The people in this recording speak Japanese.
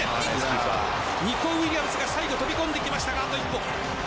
ニコ・ウィリアムズがサイド飛び込んできましたがあと一歩。